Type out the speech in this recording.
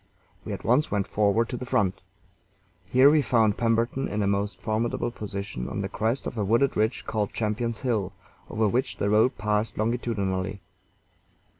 We at once went forward to the front. Here we found Pemberton in a most formidable position on the crest of a wooded ridge called Champion's Hill, over which the road passed longitudinally.